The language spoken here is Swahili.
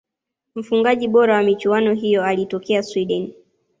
mfungaji bora wa michuano hiyo alitoka swideni